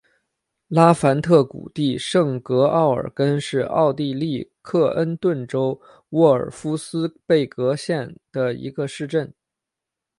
拉凡特谷地圣格奥尔根是奥地利克恩顿州沃尔夫斯贝格县的一个市镇。